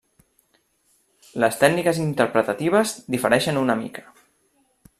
Les tècniques interpretatives difereixen una mica.